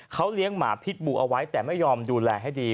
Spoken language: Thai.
เขาเลี้ยงหมาพิษบูเอาไว้แต่ไม่ยอมดูแลให้ดี